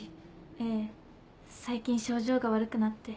ええ最近症状が悪くなって。